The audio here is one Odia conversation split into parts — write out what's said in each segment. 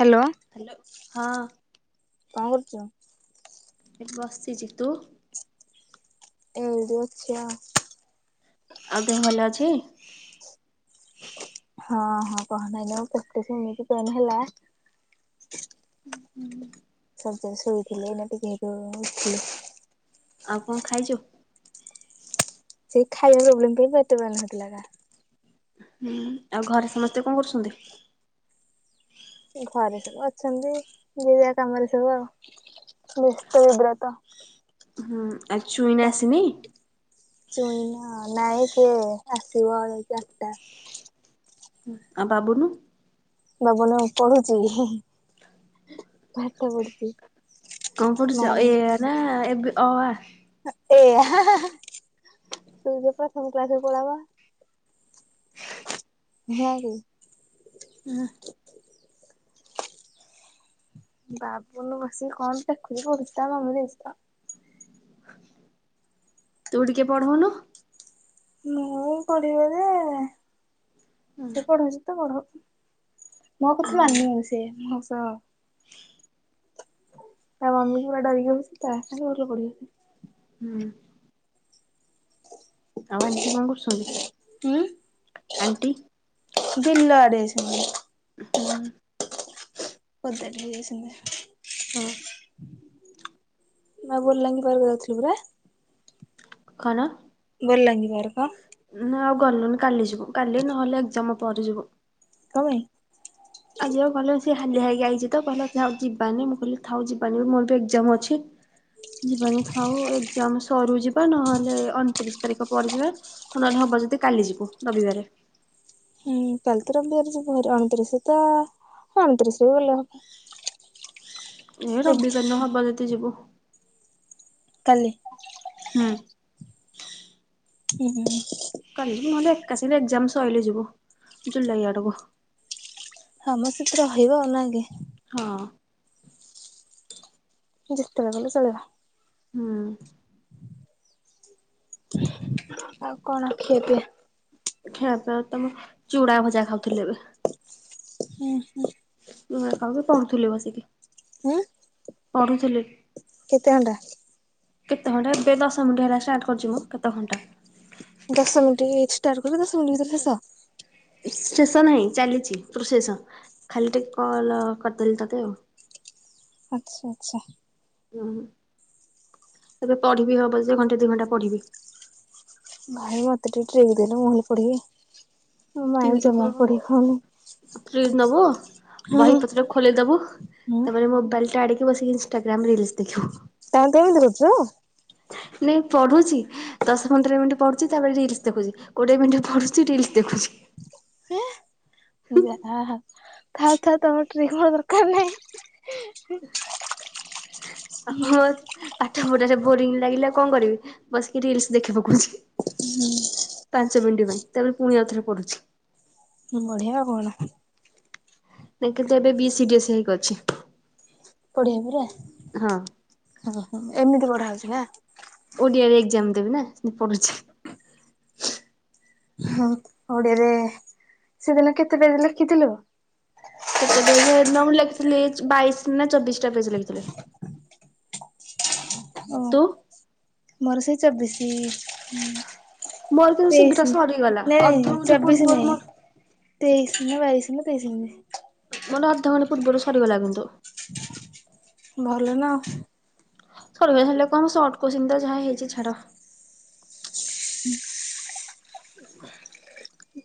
ହ୍ୟାଲୋ। ହାଲୋ ହଁ। କଣ କରୁଛ? ଏ ବସିଛି ତୁ? ଏ ଏମିତି ଅଛି ଆଉ। [inaudible] ଆଉ ଦେହ ଭଲ ଅଛି? ହଁ ହଁ କହନାଇ ଲୋ ପେଟ ଯୋଉ ଏମିତି ପେନ୍ ହେଲା। [inaudible] ହୁଁ ହୁଁ। ହଁ ସେମିତି ଶୋଇଥିଲି ଏଇନା ଟିକେ ଯୋଉ ଉଠିଲି। ଆଉ କଣ ଖାଇଛୁ? ସେ ଖାଇବା ପ୍ରୋବ୍ଲେମ ପାଇଁ ଏତେ ବେଳ ହେଇଥିଲା। ହୁଁ ଆଉ ଘରେ ସମସ୍ତେ କଣ କରୁଛନ୍ତି? ଘରେ ସବୁ ଅଛନ୍ତି ଯିବେ କାମରେ ସବୁ ଆଉ। ବ୍ୟସ୍ତବିବ୍ରତ। ହୁଁ ଆଉ ଚୁଇନା ଆସିନି କୁହ ଚୁଇନା ନାଇ। [inaudible] ସେ ଆସିବ ଏ ଚାରିଟା। ଆଉ ବାବୁନୁ? ବାବନୁ ପଢୁଛି ପାଠ ପଢୁଛି। କଣ ପଡୁଛି? ମାର ଏଇଆ ନା ଏବେ ଅ, ଆ ଏ ଆ ତୁ ଯେ ପା ସବୁ କ୍ଲାସରେ ପଢ଼ାବା। [inaudible] ହଁ କି ବାବୁନୁ ବସିିକି କଣ ଦେଖୁଛି ପଢୁଚି ତାର ସବୁ ଜିନିଷ। [inaudible] ତୁ ଟିକେ ପଢଉନୁ। ମୁଁ ପଢ଼େଇବି ଯେ ସେ ହୁଁ ପଢଉଚି ତ ପଢଉ ମୁଁ ଆଉ କିଛି ଜାଣିନି ସେ ମୋ ସହ ତା ମମିକୁ ପୁରା ଡରିକି ବସିଚି ତା ସାଙ୍ଗରେ ବାବୁନୁ ପଢ଼ିବନି। ହୁଁ ଆଉ ଆଣ୍ଟି କଣ କରୁଛନ୍ତି? କି? ଆଣ୍ଟି ବିଲ ଆଡ଼େ ଯାଇଛନ୍ତି। ହୁଁ ସେଠିକି ଯାଇଛନ୍ତି। ନା ବୁଲାବୁଲି କରିବାକୁ ଯାଉଥିଲୁ ପୁରା। [inaudible] କଣ? ବଲାଙ୍ଗୀର ଆଡ଼େ ପା। ନା ଆଉ ଗଲୁନି କାଲି ଯିବୁ। କାଲି ନହେଲେ ଏକ୍ଜାମ ପରେ ଯିବୁ। କଣ ପାଇଁ? ଆଜି ଆଉ ଗଲେ ସେ ହାଲିଆ ହେଇକି ଆଇଚି ତ କହିଲା ସିଏ ଆଉ ଯିବାନି ମୁଁ କହିଲି ଥାଉ ଯିବାନି ବି ମୋର ଏକ୍ଜାମ ଅଛି। ଯିବାନି ଥାଉ ଏକ୍ଜାମ ସରୁ ଯିବା, ନହେଲେ ଅଣତିରିଶ ତାରିଖ ପରେ ଯିବା ନହେଲେ ହଉ ହବ ଯଦି କାଲି ଯିବୁ ରବିବାରେ। ହୁଁ କାଲି ତ ରବିବାର ଯିବୁ ହାରି ଅଣତିରିଶ ତ ଅଣତିରିଶ ବି ଗଲେ ହ ଏଇ ରବିବାର ଦିନ ହବ ଯଦି ଯିବୁ। କାଲି। ହୁଁ। ହୁଁ ହୁଁ। କାଲି ବି ନହେଲେ ଏକାସାଙ୍ଗେରେ ଏକ୍ଜାମ ସଇଲେ ଯିବୁ, ଜୁଲାଇ ଆଡକୁ। ହଁ ମ ସେ ତ ରହିବ ଆଉ ନା କି? ହଁ ଯେତେ ଲଗେଇଲେ ଚଳିବ। ହୁଁ। ଆଉ କଣ ଖିଆପିଆ? ଖିଆପିଆ ତ ମୁଁ ଚୁଡା ଭଜା ଖାଉଥିଲି ଏବେ। ହୁଁ ହୁଁ। ମୁଁ ଏକା ବି ପଢୁଥିଲି ବସିକି। ଉଁ? ପଢୁଥିଲି। କେତେ ଘଣ୍ଟା? କେତେ ଘଣ୍ଟା ଏବେ ଦଶ ମିଣ୍ଟି ହେଲା ଷ୍ଟାର୍ଟ କରିଚି ମୁଁ କେତେ ଘଣ୍ଟା। ଦଶ ମିଣ୍ଟି ହେଇଚି ଷ୍ଟାର୍ଟ କରିଦେଲ ଦଶ ମିଣ୍ଟି ଭିତରେ ଶେଷ। ଶେଷ ନାହିଁ, ଚାଲିଚି ପ୍ରୋସେସନ ଖାଲି ଟିକେ କଲ କରିଦେଲେ ତତେ ଆଉ। ଆଚ୍ଛା ଆଚ୍ଛା। ହୁଁ। ଏବେ ପଢିବି ହବ ଯେ ଘଣ୍ଟା ଦି ଘଣ୍ଟା ପଢିବି। ଭାଇ ମତେ ଟିକେ ଟ୍ରିକ ଦେଲେ ମୁଁ ବି ପଢ଼ିବି, ମୋ ମାଇଣ୍ଡ ଜମା ପଢ଼ି ହଉନି। ଟ୍ରିକ୍ ନବୁ, ହୁଁ। ବହିପତ୍ର ଖୋଲି ଦବୁ, ହୁଁ ତାପରେ ମୋବାଇଲଟା ଆଡ଼େଇ ତୁ ବସିକି ଇନ୍ଷ୍ଟାଗ୍ରାମ ରିଲ୍ସ ଦେଖିବୁ। ତମେ କେମିତି କରୁଚ? ନାଇଁ ପଢୁଛି, ଦଶ ପନ୍ଦର ମିନିଟ୍ ପଢୁଛି ତାପରେ ରିଲ୍ସ ଦେଖୁଛି, କୋଡିଏ ମିନିଟ ପଢୁଛି ରିଲ୍ସ ଦେଖୁ ଦେଖୁଛି। ଯା ହା ଥାଉ ଥାଉ ତମର ଟ୍ରିକ ମୋର ଦରକାର ନାହିଁ। ହଁ ପାଠପଢାରେ ବୋରିଂ ଲାଗିଲା କଣ କରିବି ବସିକି ରିଲ୍ସ ଦେଖିପକଉଛି, ପାଞ୍ଚ ମିଣ୍ଟି ପାଇଁ। ତାପରେ ପୁଣି ଆଉଥରେ ପଢ଼ୁଛି। ବଢିଆ ଆଉ କଣ? ଦେଖନ୍ତୁ ଏବେ ବି ସି ବି ଏସ ଇ ହିଁ କରିଛି। ପଢ଼ିବା ପରା ଓହୋ। ଏମିତି ପଢା ହଉଛି ନା। ଓଡିଆରେ ଏକ୍ଜାମ ଦେବି ନା ମୁଁ ପଢୁଛି। ହଁ ଓଡିଆରେ, ସେଦିନ କେତେଟାରେ ଲେଖିଥିଲୁ? କେତେ ପେଜ ଲେଖିଥିଲି ବାଇଶ ନା ଚବିଶ ଟା ପେଜ ଲେଖିଥିଲି। ଓ ତୁ ମୋର ସେଇ ଚବିଶି ହୁଁ ମୋର କିନ୍ତୁ ଶୀଘ୍ର ତେଇଶି ସରିଗଲା ନା ନାଇଁ ଅଧଘଣ୍ଟେ ଚବିଶ ପୂର୍ବରୁ ନାଇଁ ମୋର ତେଇଶି ନା ବାଇଶି ନା ତେଇଶି ଏମିତି ମୋର ଅଧଘଣ୍ଟେ ପୂର୍ବରୁ ସରିଗଲା କିନ୍ତୁ ଭଲ ନା ଆଉ। ସରିଲେ ହେଲେ କଣ ସଟ କୋଚିନ୍ ତ ଯାହା ହେଇଛି ଛାଡ।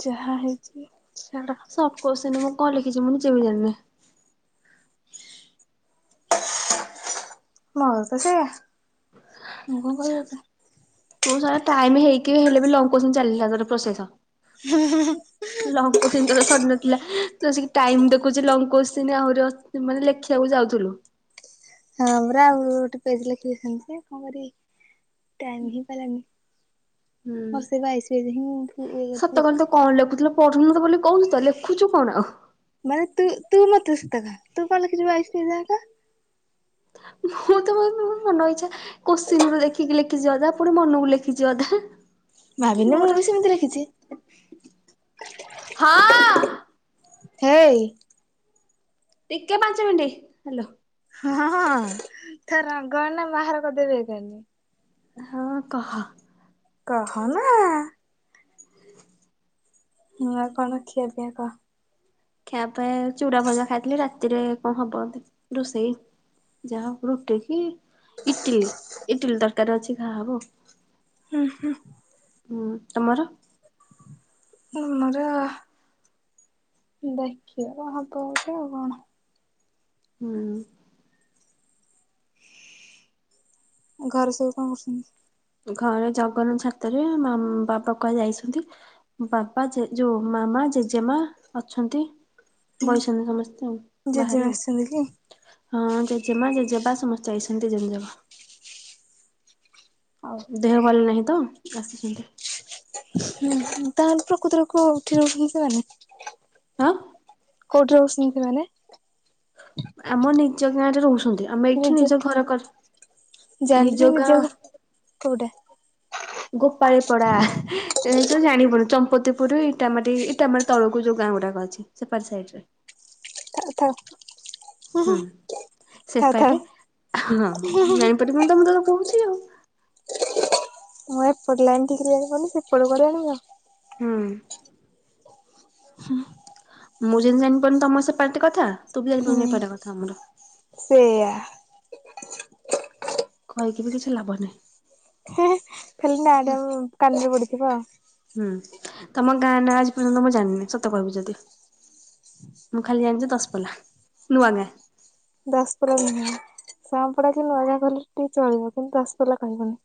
ଯାହା ହେଇଚି ସଟ କୋଶଚୀନ ମୁଁ କଣ ଲେଖିଛି ମୁଁ ନିଜେ ବି ଜାଣିନି। [inaudible] ମୋର ତ ସେଇୟା। ମୁଁ କହିବି କଥା। ବହୁତ ସାରା ଟାଇମ ହେଇକି ବି ହେଲେ ବି ଲଙ୍ଗ କୋସଚୀନ ଚାଲିଥଲା ଗୋଟେ ପ୍ରୋଶେଷ। ଲଙ୍ଗ କୋଚିନ ସରିନଥିଲା। ସେ ବସିକି ଟାଇମ ଦେଖୁଛି ଲଙ୍ଗ କୋଚିନ ଆହୁରି ମାନେ ଲେଖିବାକୁ ଯାଉଥିଲୁ। ହଁ ପରା ଆଉ ଗୋଟେ ପେଜ ଲେଖିଦେଇଥାନ୍ତି ଯେ କଣ କରିବି। ଟାଇମ ହେଇପାରିଲାନି। ହୁଁ ମୋର ସେ ବାଇଶ ପେଜ ହିଁ ଲେଖିଛି। ପଢୁନ ତ ବୋଲି କହୁଛୁ ତ ଲେଖୁଛୁ କଣ? ମାନେ ତୁ ତୁ ମତେ ସତ କହ ତୁ ଲେଖିଛି ବାଇଶ ପେଜ ଜାଙ୍କ। ମୁଁ ତ ମନ ଇଛା କୋସଚୀନରୁ ଦେଖିକି ଲେଖିଛିିଅଧା ପୁଣି ମନକୁ ଲେଖିଛି ଅଧା। ଭାବିନେ ମୁଁ ବି ମୋର ସେମିତି ଲେଖିଛି। ହଁ ଅ। ହେ ଇ। ଟିକେ ପାଞ୍ଚ ମିନଟ ହାଲୋ। ହଁ ହଁ ତ ରଙ୍ଗ ଏଇନା ବାହାର କରିଦେବେ ଏଇକାନି। ହଁ କହ, କହ ନା ଆ ହଁ ଆଉ କଣଖିଆ ପିଆ କହ? ଖାଇବା ପାଇଁ ଚୁଡା ଭଜା ଖାଇଥିଲି ରାତିରେ କଣ ହବ ରୁଷେଇ। ଯାହା ହବ ରୁଟି କି ଇଟିଲି ଇଟିଲି ତରକାରୀ ଅଛି ଖା ହବ। ଉଁ ହୁଁ। ହୁଁ ତମର? ଆମର। ଦେଖିଆ କଣ ହବ ଗୋଟେ ଆଉ କଣ। ହୁଁ। ଘରେ ସବୁ କଣ କରୁସନ୍ତି। ଘରେ ଜଗନ୍ନ ଛାତରେ ବାବା କୁହାଯାଇଛନ୍ତି ବାବା ଯୋଉ ମାମା ମା ଜେଜେମା ଅଛନ୍ତି ହୁଁ ବଇସନ୍ତି ସମସ୍ତେ ଆଉ ବାହାରେ ଜେଜେମା ଆସିଛନ୍ତି କି? ଆଉ ହଁ ଜେଜେମା ଜେଜେବା ସମସ୍ତେ ଆାଇଛନ୍ତି ଜମଜମା ଦେହ ଭଲ ନାହିଁ ତ ଆସିଛନ୍ତି। ତାହେଲେ ପ୍ରକୃତରେ କଉଠି ରହୁଛନ୍ତି ସେମାନେ? ଆଁ। କୋଉଠି ରହୁସୁନ୍ତି ସେମାନେ? ଆମ ନିଜ ଗାଁରେ ରହୁସନ୍ତି ଆମେ ଏଇଠି ନିଜ ଘର କର ଜାଣିଚି ନିଜ ଗୋପାଳୀ ପଡା। ଜାଣିବୁନି ଚମ୍ପତିପୁର ଇଟାମାଟି ଇଟାମାଟି ତଳକୁ ଯଉ ଗାଁ ଗୁରାକ ଅଛି ସେପାର ସାଇଟରେ। ଥାଉ ଥାଉ, ହୁଁ ଥାଉ ଥାଉ ସେପାଟେ ହଁ ହୁଁ ହୁଁ ହୁଁ ଜାଣିପାରି ବୁନିତ ମୁଁ ତ କହୁଛି ଆଉ। ହଁ ଏପଟେ ଆଣ୍ଟି କିରି ଆଣିବନି ସେପଟେ କୁଆଡେ ଆଣିଵ। ହୁଁ। ହୁଁ। ମୁଁ ଯେମିତି ଜାଣିପାରୁନି ତମର ସେ ପାଲଟେ କଥା ତୁ ବି ଜାଣିପାରିବୁନି ହୁଁ ଏପଟ କଥା ଆମର। ସେଇଆ କହିକି ବି କିଛି ଲାଭନାହିଁ। ଖାଲି ନାଆଟା ମୁଁ କାନିରେ ପଡିଥିବ ଆଉ ହୁଁ ତମ ଗାଁ ନା ଆଜି ପର୍ଯ୍ୟନ୍ତ ମୁଁ ଜାଣିନି ସତ କହିବି ଯଦି। ମୁଁ ଖାଲି ଜାଣିଚି ଦଶପଲା ନୂଆ ଗାଁ। ଦଶପଲା ନୁହେଁ। ସାଁପଡା କି ନୂଆ ଗାଁ କହିଲେ ଟିକେ ଚଳିବ କିନ୍ତୁ ଦଶପାରା କହିବନି।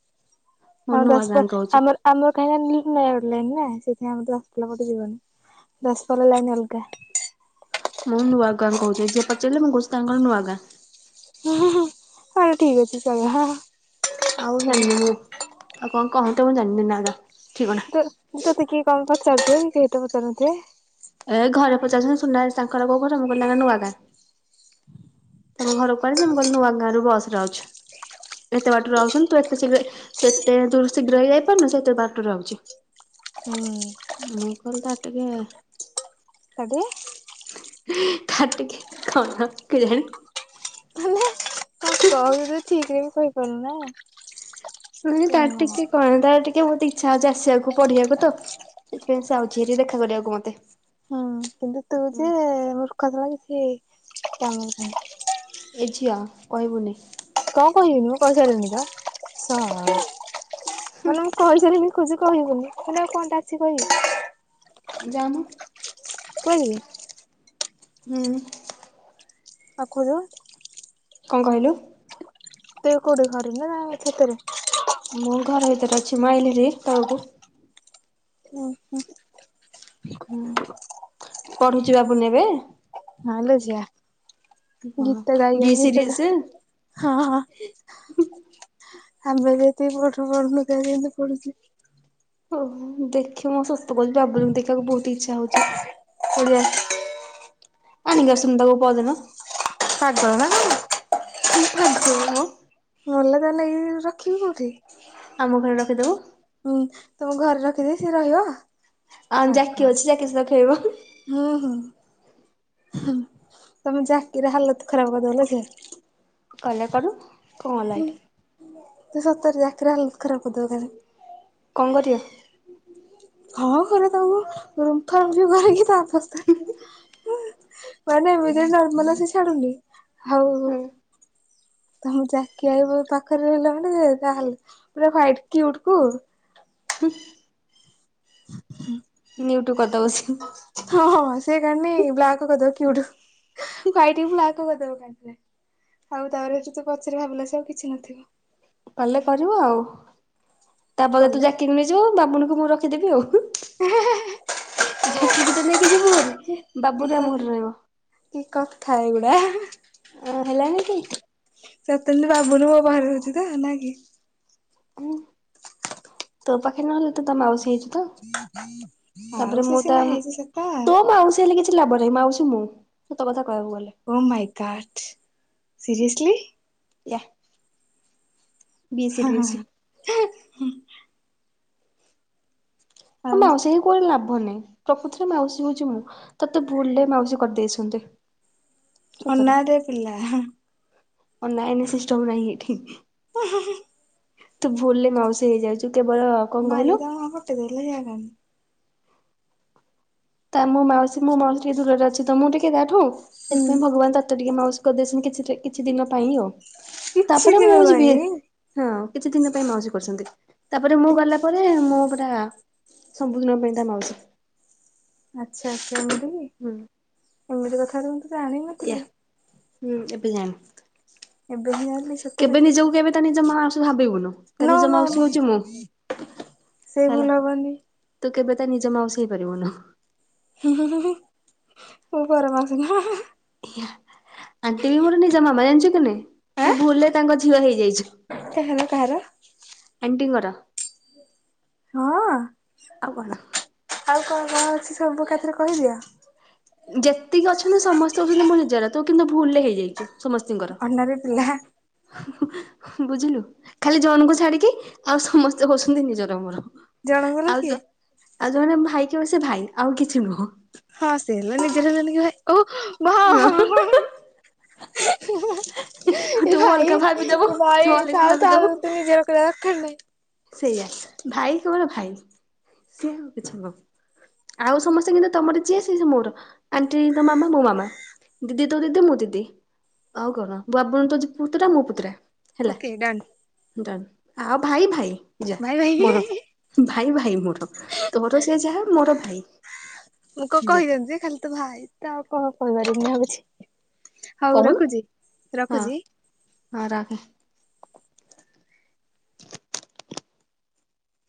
ମୁଁ ହଁ ନୂଆ ଗାଁ ଦଶପଲ କହୁଛି ଆମର ଆମର। [unintelligible] ନୟାଗଡ଼ ଲାଇନ ନାଁ ସେଇଥି ପାଇଁ ଆମର ଦଶପଲା ପଟେ ଯିବନି ଦଶପଲା ଲାଇନ ଅଲଗା। ମୁଁ ନୂଆ ଗାଁ କୋହୁଚି ଯିଏ ପଚାରିଲେ ମୁଁ କୋହୁଚି ତାଙ୍କର ନୂଆ ଗାଁ। [unintelligible] ହୋଉ ଠିକ ଅଛି ଚଳିବ। ଆଉ ଜାଣିନି ମୁଁ ଆଉ କଣ କହନ୍ତି ମୁଁ ଜାଣିନି ନାଁ ଗାଁ। ତ ତତେ କିଏ କଁ ପଚାରୁ ଥିଲା କି କେହି ତ ପଚାରୁ ନଥିବେ। ଏ ଘରେ ପଚାରୁଛନ୍ତି ସୁନା ତାଙ୍କର କୋଉ ଘର ମୁଁ କହିଲି ତାଙ୍କ ଗାଁ ନୂଆ ଗାଁ। ତାଙ୍କ ଘର କୁଆଡେ ଯେ ମୁଁ କହିଲି ନୂଆ ଗାଁ ରୁ ବସରେ ଆଉଛି ଏତେ ବାଟରୁ ଆଉଛନ୍ତି ତୁ ଏତେ ଶୀଘ୍ରେ ତୁ ଏତେ ତୁ ଶୀଘ୍ର ହେଇଯାଇପାରୁନୁ ସେ ଏତେ ବାଟରୁ ଆଉଚି। ହୁଁ। ମୁଁ କହିଲି ତାର ଟିକେ। ତାର ଟିକେ। ତାର ଟିକେ କଣ କେଜାଣି। ମାନେ କଣ କହୁଛୁ ଠିକ ରେ ବି କହିପାରୁନୁ ନା। ପୁଣି ତାର ଟିକେ କଣ ତାର ଟିକେ। ମତେ ଟିକେ ବୋହୁତ ଇଚ୍ଛା ହୋଉଚି ଆସିବାକୁ ପଢିବାକୁ ତ ସେଥିପାଇଁ ସେ ଆଉଛି ହାରି ଦେଖା କରିବାକୁ ମତେ। ହୁଁ କିନ୍ତୁ ତୁ ଯେ ହୁଁ ମୂର୍ଖ ଶଳା କିଛି କାମ କୁ ନୁହୁଁ। ଏଝିଅ କହିବୁନି। କଁ କହିବିିନି ମୁଁ କହିସାଇଲିଣି ପରା ଶଳା ମାନେ ମୁଁ କହିସାଇଲିଣି କୋହୁଚି କହିବୁନି ମାନେ ଆଉ କଁଟା ଅଛି କହିବି। ଯାମ। କୁଆଡେ ଯିବି। ହୁଁ। [unintelligible] କଁ କହିଲୁ। ତୁ କୋଉଠି ଘରେ ନା ଛାତରେ। ମୁଁ ଘର ଭିତରେ ଅଛି ମୁଁ ଆଇଲି ଭାରି ତଳୁକୁ। ଓହୋ। ହୁଁ ପଢୁଚି ବାବୁନି ଏବେ। ହଁ ଲୋ ଝିଅ ହଁ ଗୀତ ଗାଇ ବି ଗାଇ ଗୀତ ସିରିଏସ୍। ଗା ହଁ ହଁ। ଆମେ ଜେନ୍ତି ପାଠ ପଢ଼ୁନଥିବା ସିଏ ହେନ୍ତି ପଢୁଛି। ଓହୋ ଦେଖି ମୁଁ ସତ କୋହୁଚି ବାବୁନି କୁ ଦେଖିବାକୁ ବୋହୁତ ଇଚ୍ଛା ହୋଉଛି। [unintelligible] ଆଣିକି ଆସୁନୁ ତାକୁ ପରଦିନ। ପାଗଳ ନା କଣ। ପାଗଳ ମ। ଅଲଗା ନେଇିକି ରଖିବି କୋଉଠି ଆମ ଘରେ ରଖିଦବୁ। ହୁଁ। ତମ ଘରେ ରଖିଦେବି ସେ ରହିବ। ଆମ ଯାକି ପାଗଳ ଅଛି ଯାକି ସହିତ ଖେଳିବ। ହୁଁ ହୁଁ। ତମ ଯାକିର ହାଲତ ଖରାପ କରିଦବ ଲୋ ଝିଅ। କଲେ କରୁ କଁ ହେଲା ହେଇଠୁ। ତୁ ସତର ଯାକିର ହାଲତ ଖରାପ କରିଦୋବୁ ତାହାଲେ। କଁ କରିବା? ହଁ ଘରେ ତାକୁ ଗୁମ୍ଫା ରୁମ୍ଫି କରିକି ତା ଅବସ୍ତା ମାନେ ଏମିତି ନର୍ମାଲ ରେ ସେ ଛାଡ଼ୁନି। ଉଁ। ତମ ଚାକି ଭାଇ ବ ପାଖରେ ରହିଲା ମାନେ ସେ ତାହେଲେ ପୁରା ହ୍ବାଇଟ କ୍ୟୁଟକୁ। ହୁଁ। ନିଉଟୁ କରିଦବ ସେ। ହଁ ହଁ ସେ କଣ ନି ବ୍ଲାକ୍ କରିଦବ କ୍ୟୁଟୁ ହ୍ୱାଇଟ କୁ ବ୍ଲାକ୍ କରିଦବ କା ରେ ଆଉ ତାପରେ ତୁ ତୁ ପଛରେ ଭାବିଲା ସେ ଆଉ କିଛି ନଥିବ। କଲେ କରିବ ଆଉ ତାପରେ ତୁ କଲେ ଜାକି କୁ ନେଇଯିବୁ ବାବୁନୁକୁ ମୁଁ ରଖିଦେବି ଆଉ। ଯାକିକୁ ତୁ ନେଇ କିଯିବୁ ହେରି କି କି ବାବୁୁନୁ କ ଆମ ଘରେ ରହିବ। କି କଥା ଏଗୁଡା ଅ ହେଲାନି କି? ସତେ ଯେମିତି ବବୁନୁ ମୋ ପାଖରେ ରହୁଚି ତ ନା କି। ହୁଁ ତୋ ପାଖ ନହେଲ ତୁ ତା ମାଉସୀ ହେଇଚୁ ତ ଆଉ ତାପରେ ସେ ମୁଁ ତା ସିନା ମ ହେଇଛି ସତ ତୋ ମାଉସୀ ହେଲେ କିଛି ଲାଭ ନାହିଁ ମାଉସୀ ମୁଁ ସତ କଥା କହିବାକୁ ଗଲେ ଓ ମାଇ ଗଡ ସିରିୟେସଲି। ୟା। ବି ହାଁ ସିରିୟସ୍ ହାଁ ହାଁ ହୁଁ। ତୁ ଆଉ ମାଉସୀ କୁଆଡ଼େ ଲା ଭ ନାଇଁ ପ୍ରକୃତରେ ମାଉସୀ ହଉଛି ମୁଁ ତତେ ଭୁଲରେ ମାଉସୀ କରିଦେଇଛନ୍ତି। ଅନା ରେ ପିଲା। ଅନା ଅନି ସିଷ୍ଟମ ନାହିଁ ଏଠି। ହୁଁ ହୁଁ ହୁଁ। ତୁ ଭୁଲରେ ମାଉସୀ ହେଇଯାଉଛୁ। କେବଳ କଣ କହିଲୁ ମାରିକି ତମ ମୁହ ଫଟେଇ ଦେବି ଲୋ। [unintelligible] ତା ମୋ ମାଉସୀ ମୋ ମାଉସୀ ଟିକେ ଦୂରରେ ଅଛି ତ ମୁଁ ଟିକେ ତା ଠୁ ହୁଁ ସେଥିପାଇଁ ଭଗବାନ ତତେ ଟିକେ ମାଉସ କରିଦେଇଛନ୍ତି କିଛି ରେ କିଛି ଦିନ ପାଇଁ ଆଉ କିଛି ତାପରେ ଦିନ ମୁଁ ଯିବି। ପାଇଁ ହଁ କିଛି ଦିନ ପାଇଁ ମାଉସୀ କରୁଛନ୍ତି ତାପରେ ମୁଁ ଗଲା ପରେ ମୋ ତା ସମ୍ପୂର୍ଣ୍ଣ ରୂପେ ତା ମାଉସୀ। ଆଚ୍ଛା ଆଚ୍ଛା ଏମିତି କି ହୁଁ ଏମିତି କଥା ତ ମୁଁ ତ ୟା ଜାଣିନଥିଲି। ହୁଁ ଏବେ ଜାଣେ। ଏବେ ହିଁ ଜାଣିଲି ସତରେ। କେବେ ନିଜକୁ କେବେ ତା ନିଜ ମାଉସୀ ଭାବିବୁନୁ। ତା ନୋ ନିଜ ନୋ ମାଉସୀ ନୋ ହଉଛି ମୁଁ ସେଇ ହେଲା ଭୁଲ ହବନି। ତୁ କେବେ ତା ନିଜ ମାଉସୀ ହେଇ ପାରିବୁନୁ। ହୁଁ ହୁଁ ହୁଁ ମୁଁ ପର ମାଉସୀ ହୁଁ ହୁଁ ହୁଁ। ଆଣ୍ଟି ବି ମୋର ନିଜ ମାମା ଜାଣିଛୁ କି ନାଇ ତୁ ଭୁଲରେ ତାଙ୍କ ଝିଅ ହେଇଯାଇ ତାହେଲେ କାହାର। ଆଣ୍ଟିଙ୍କର। ହଁ ଆଉ କଣ ଆଉ କଣ କଣ ଅଛି ସବୁ ଏକାଥରେ କହିଦିଅ। ଯେତିକି ଅଛନ୍ତି ସମସ୍ତେ ହଉଛନ୍ତି ମୋ ନିଜର ତୁ କିନ୍ତୁ ଭୁଲ ରେ ହେଇଯାଇଛୁ। ସମସ୍ତିଙ୍କର ଅନା ରେ ପିଲା। ବୁଝିଲୁ ଖାଲି ଜଣଙ୍କୁ ଛାଡିକି ଆଉ ସମସ୍ତେ ହଉଛନ୍ତି ନିଜର ମୋର। ଜଣଙ୍କୁ ହେଲା ଆଉ କିଏ? ଯୋ ଆଉ ଯୋଉମାନେ ଭାଇ କି ହବ ସେ ଭାଇ ଆଉ କିଛି ନୁହଁ। ହଁ ସେ ହେଲା ନିଜର ହେଲାନି କି ଭାଇ ଓ। ଭା ହଁ ହଁ ହଁ ହଁ। ହଁ ହଁ ହଁ ଏ ତୁ ଭାଇ ଅଲଗା ଭାବିଦବୁ ଏ ତୁ ଭାଇ ଅଲଗା ଥାଉ ଭାବିଦବୁ। ଥାଉ ଏତେ ନିଜର କରିବା ଦରକାର ନାହିଁ। ସେଇଆ ଭାଇ କେବଳ ଭାଇ ସିଏ ଆଉ କିଛି ହବ କି। ଆଉ ସମସ୍ତେ କିନ୍ତୁ ତମର ଯିଏ ସିଏ ସବୁ ମୋର ଆଣ୍ଟି ତୋ ମାମା ମୋ ମାମା। ଦିଦି ତୋ ଦିଦି ମୋ ଦିଦି ଆଉ କଣ ବାବୁନୁ ତୋ ପୁତୁରା ମୋ ପୁତୁରା। Okay don. ଡନ ଆଉ ଭାଇ ଭାଇ। ଯା ଭାଇ ଭାଇ ମୋର ଭାଇ ଭାଇ ମୋର ତୋର ସେ ଯାହା ମୋର ଭାଇ। ମୁଁ କଣ ଯା କହିଦ ଯେ ଖାଲି ତୁ ଭାଇ ତ ଆଉ କଣ କହିବାର ମୁଁ ଭାବୁଛି ହଉ କହୁନୁ ରଖୁଛି ହଁ ରଖୁଛି। ହଁ ରଖ।